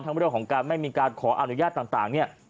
ทั้งเรื่องของการไม่มีการขออนุญาตต่าง